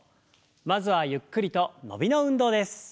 まずはゆっくりと伸びの運動です。